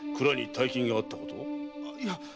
いや！